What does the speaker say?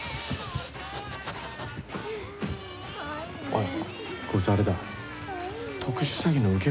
おい。